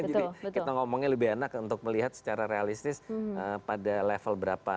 jadi kita ngomongnya lebih enak untuk melihat secara realistis pada level berapa